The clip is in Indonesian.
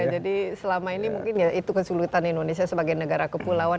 jadi selama ini mungkin itu kesulitan indonesia sebagai negara kepulauan